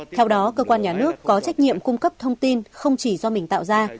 theo đó cơ quan nhà nước có trách nhiệm cung cấp thông tin không chỉ do mình tạo ra